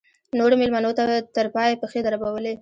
نورو مېلمنو تر پایه پښې دربولې.